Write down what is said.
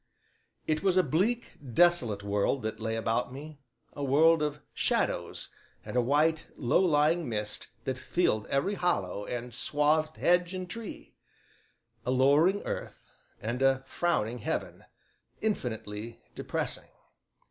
It was a bleak, desolate world that lay about me, a world of shadows and a white, low lying mist that filled every hollow and swathed hedge and tree; a lowering earth and a frowning heaven infinitely depressing.